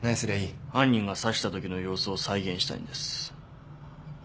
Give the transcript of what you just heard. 犯人が刺したときの様子を再現したいんです。